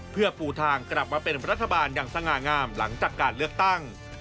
เพื่อปูทางกลับมาเป็นรัฐบาลอย่างสง่างามหลังจากการเลือกตั้ง